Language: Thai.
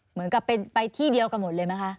เหมือนกับเป็นไปที่เดียวกันหมดเลยไหมคะ